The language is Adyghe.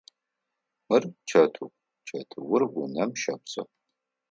Мыр чэтыу, чэтыур унэм щэпсэу.